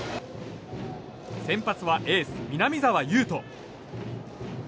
先発はエース、南澤佑音。